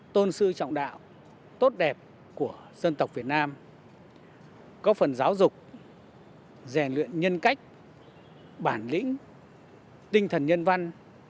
tôn sư trọng đạo tốt đẹp của dân tộc việt nam có phần giáo dục rèn luyện nhân cách bản lĩnh tinh thần nhân văn